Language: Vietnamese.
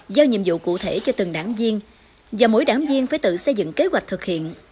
giao nhiệm vụ cụ thể cho từng đảng viên và mỗi đảng viên phải tự xây dựng kế hoạch thực hiện